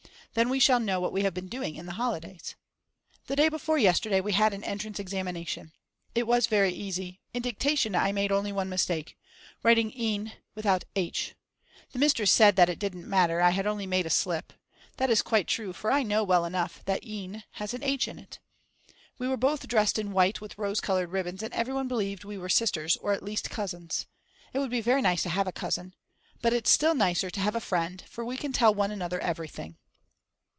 Then we shall know what we have been doing in the holidays. The day before yesterday we had an entrance examination, it was very easy, in dictation I made only 1 mistake writing ihn without h. The mistress said that didn't matter, I had only made a slip. That is quite true, for I know well enough that ihn has an h in it. We were both dressed in white with rose coloured ribbons, and everyone believed we were sisters or at least cousins. It would be very nice to have a cousin. But it's still nicer to have a friend, for we can tell one another everything.